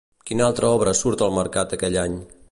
Quina altra obra surt al mercat aquell any?